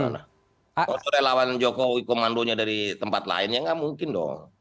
kalau relawan jokowi komandonya dari tempat lain ya nggak mungkin dong